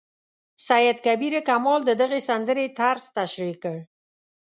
سید کبیر کمال د دغې سندرې طرز تشریح کړ.